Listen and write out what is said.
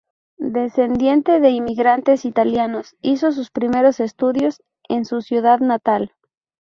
Descendiente de inmigrantes italianos, hizo sus primeros estudios en su ciudad natal.